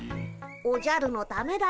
おじゃるのためだよ。